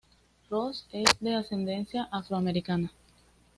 Ross es de ascendencia afroamericana.